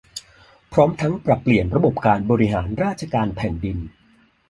พร้อมทั้งปรับเปลี่ยนระบบการบริหารราชการแผ่นดิน